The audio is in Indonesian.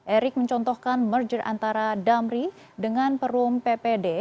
erick mencontohkan merger antara damri dengan perum ppd